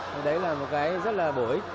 thì đấy là một cái rất là bối